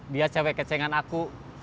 biar cewek kecengan aku